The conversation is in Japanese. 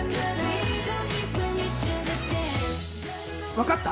分かった？